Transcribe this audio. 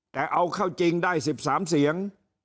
แต่เอาเข้าจริงได้๑๓เสียง